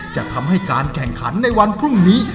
จะทำให้การแข่งขันในวันพรุ่งนี้